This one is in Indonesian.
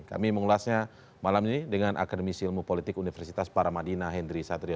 kami mengulasnya malam ini dengan akademisi ilmu politik universitas paramadina hendry satria